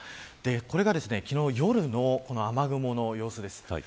これが昨日夜の雨雲の様子です。